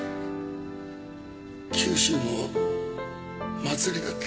九州の祭りだった。